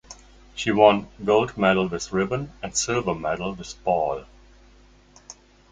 She won gold medal with Ribbon and silver medal with Ball.